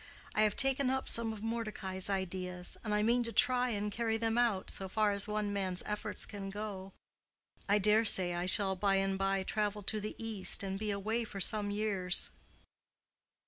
I have taken up some of Mordecai's ideas, and I mean to try and carry them out, so far as one man's efforts can go. I dare say I shall by and by travel to the East and be away for some years."